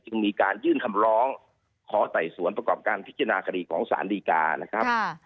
มีการยื่นคำร้องขอไต่สวนประกอบการพิจารณาคดีของสารดีกานะครับ